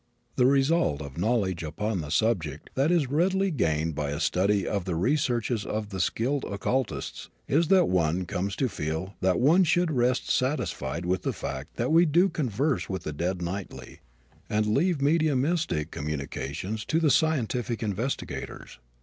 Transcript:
The result of knowledge upon the subject, that is readily gained by a study of the researches of the skilled occultists, is that one comes to feel that one should rest satisfied with the fact that we do converse with the dead nightly, and leave mediumistic communications to the scientific investigators.